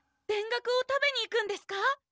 田楽を食べに行くんですか！？